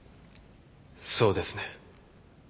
そうですね。